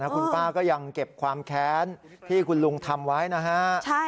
คุณป้าก็ยังเก็บความแค้นที่คุณลุงทำไว้นะฮะ